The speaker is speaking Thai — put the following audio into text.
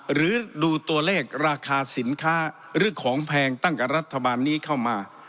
หรือดูตัวเลขราคาสินค้าหรือของแพงตั้งแต่รัฐบาลนี้เข้ามา